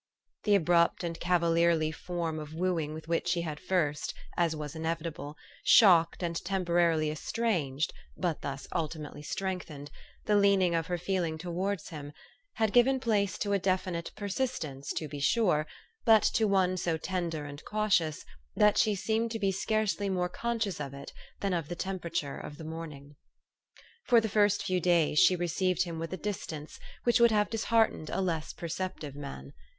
The abrupt and cavalierly form of wooing with which he had at first, as was inevitable, shocked and temporarily estranged (but thus ultimately strength ened) the leaning of her feeling towards him, had THE STORY OF AVIS. 203 given place to a definite persistence, to be sure, but to one so tender and cautious, that she seemed to be scarcely more conscious of it than of the tempera ture of the morning. For the first few days she received him with a distance which would have disheartened a less per ceptive man.